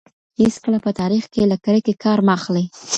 هېڅکله په تاریخ کي له کرکې کار مه اخلئ.